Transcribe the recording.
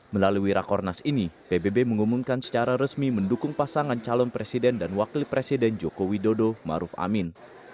melalui rakornas ini pbb mengumumkan secara resmi mendukung pasangan calon presiden dan wakil presiden joko widodo maruf amin